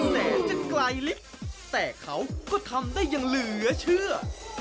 แม้จะไกลลิฟต์แต่เขาก็ทำได้อย่างเหลือเชื่อ